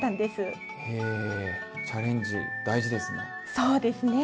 へえチャレンジ大事ですね！